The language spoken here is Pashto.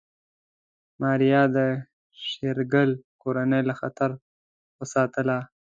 ماريا د شېرګل کورنۍ له خطر وساتله.